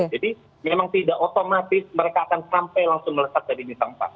jadi memang tidak otomatis mereka akan sampai langsung melesat ke bintang empat